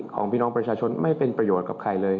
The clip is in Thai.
ของพี่น้องประชาชนไม่เป็นประโยชน์กับใครเลย